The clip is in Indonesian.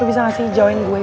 lu bisa gak sih jauhin gue